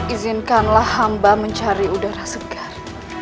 izinkanlah hamba mencari udara segar